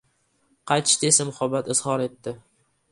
qaytishda esa muhabbat izhor etdi.